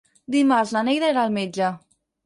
Dimarts na Neida irà al metge.